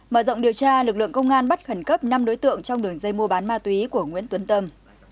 mở rộng điều tra lực lượng công an bắt khẩn cấp năm đối tượng trong đường dây mua bán ma túy của nguyễn tuấn tâm